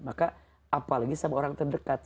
maka apalagi sama orang terdekat